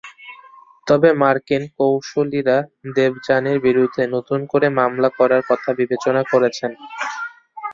তবে মার্কিন কৌঁসুলিরা দেবযানীর বিরুদ্ধে নতুন করে মামলা করার কথা বিবেচনা করছেন।